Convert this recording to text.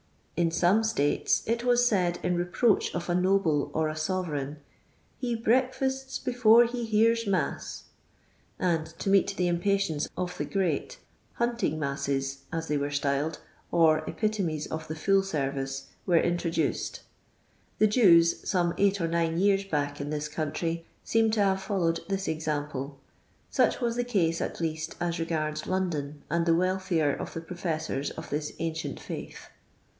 In some states it was said in repro,'tch of a noble or a sove reign, " he breakfasts before he hears mass," and, to meet the impatience of the Great, " hunting masses," ns they were styled, or epitomes of the full service*, were introduced. The Jews, tome eight or nme years back in this country, seem to have followed this example ; such was the case, at least, as regards London and the wealthier of the professors of this ancient faith.